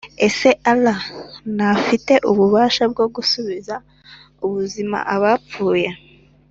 ese [allah] ntafite ububasha bwo gusubiza ubuzima abapfuye?